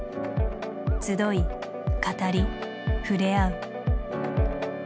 集い語り触れ合う。